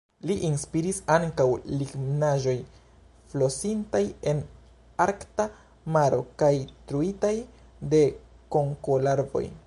Lin inspiris ankaŭ lignaĵoj, flosintaj en Arkta Maro kaj truitaj de konkolarvoj.